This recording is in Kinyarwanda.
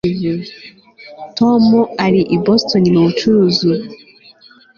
Tom ari i Boston mubucuruzi ubu